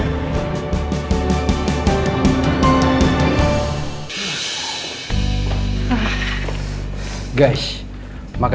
terima kasih jarang